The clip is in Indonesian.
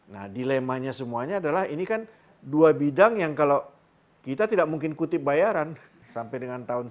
nah dilemanya semuanya adalah ini kan dua bidang yang kalau kita tidak mungkin kutip bayaran sampai dengan tahun seribu sembilan ratus sembilan puluh